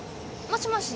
もしもし？